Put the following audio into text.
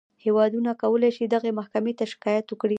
هېوادونه کولی شي دغې محکمې ته شکایت وکړي.